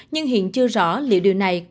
nhưng hiện chưa rõ liệu điều này